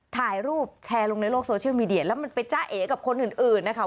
ถ่ายรูปแชร์ลงในโลกโซเชียลมีเดียแล้วมันไปจ้าเอกับคนอื่นนะคะ